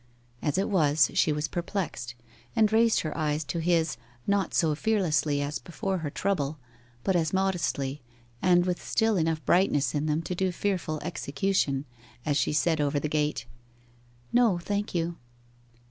As it was, she was perplexed, and raised her eyes to his, not so fearlessly as before her trouble, but as modestly, and with still enough brightness in them to do fearful execution as she said over the gate 'No, thank you.